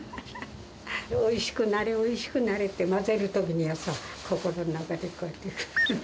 おいしくなれ、おいしくなれって、混ぜるときにはさ、心の中でこうやって。